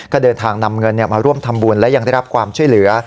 ก็เดินทางนำเงินมาร่วมทำบุญและยังได้รับความช่วยเหลือ